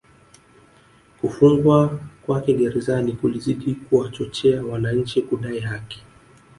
Kufungwa kwake Gerezani kulizidi kuwachochea wananchi kudai haki